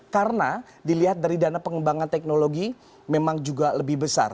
karena dilihat dari dana pengembangan teknologi memang juga lebih besar